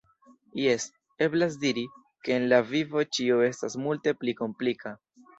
Jes, eblas diri, ke en la vivo ĉio estas multe pli komplika.